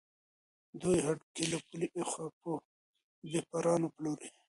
دوی هډوکي له پولې اخوا په بېپارانو پلوري.